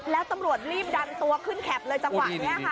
แล้วตำรวจรีบดันตัวขึ้นแคปเลยจังหวะนี้ค่ะ